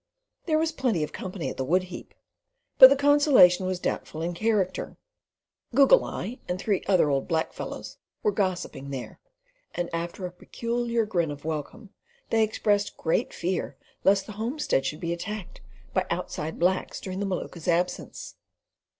There was plenty of company at the wood heap, but the consolation was doubtful in character. Goggle Eye and three other old black fellows were gossiping there, and after a peculiar grin of welcome, they expressed great fear lest the homestead should be attacked by "outside" blacks during the Maluka's absence.